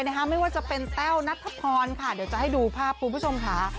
ก็ได้ไม่ว่าจะเป็นแต้วนัทภอนค่ะเดี๋ยวจะให้ดูภาพภูมิคุณผู้ชมคะ